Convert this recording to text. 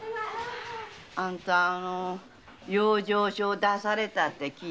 あんたは養生所を出されたって聞いたよ。